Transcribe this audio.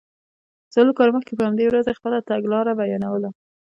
څلور کاله مخکې په همدې ورځ یې خپله تګلاره بیانوله.